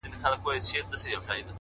د كندو تر شا په غار كي نهامېږه٫